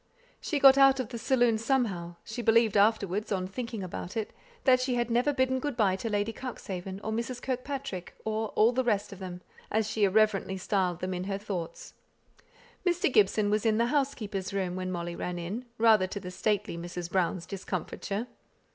She got out of the saloon somehow; she believed afterwards, on thinking about it, that she had never bidden good by to Lady Cuxhaven, or Mrs. Kirkpatrick, or "all the rest of them," as she irreverently styled them in her thoughts. Mr. Gibson was in the housekeeper's room, when Molly ran in, rather to the stately Mrs. Brown's discomfiture.